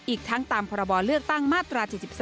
อีกทั้งตามพรบเลือกตั้งมาตรา๗๒